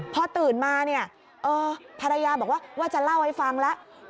พอตื่นมาภรรยาบอกว่าจะเล่าให้ฟังแล้ว